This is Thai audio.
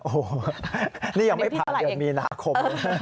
โอ้โหนี่ยังไม่ผ่านเดือนมีนาคม